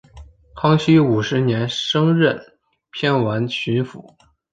康熙五十年升任偏沅巡抚。